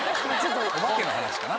お化けの話かな？